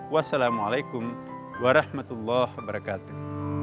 wassalamualaikum warahmatullahi wabarakatuh